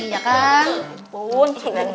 ya ampun neng